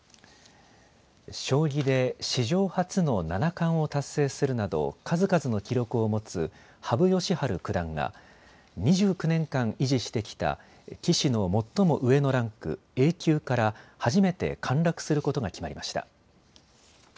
将棋で史上初の七冠を達成するなど数々の記録を持つ羽生善治九段が２９年間、維持してきた棋士の最も上のランクＡ級から初めて陥落することが決まりました。